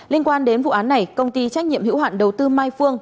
liên quan đến vụ án này công ty trách nhiệm hữu hạn đầu tư mai phương